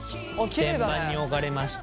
天板に置かれました。